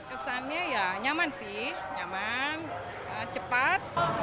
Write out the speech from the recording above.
kesannya ya nyaman sih nyaman cepat